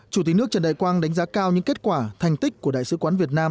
chủ tịch nước trần đại quang đánh giá cao những kết quả thành tích của đại sứ quán việt nam